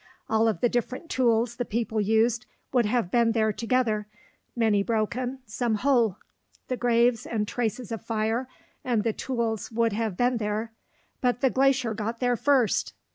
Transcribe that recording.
All of the different tools the people used would have been there together many broken, some whole. The graves, and traces of fire, and the tools would have been there. But the glacier got there first!